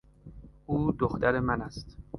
او دختر من است.